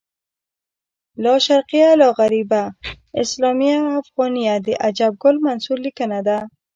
لاشرقیه لاغربیه اسلامیه افغانیه د عجب ګل منصور لیکنه ده